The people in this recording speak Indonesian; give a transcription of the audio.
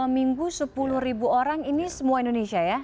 dua minggu sepuluh ribu orang ini semua indonesia ya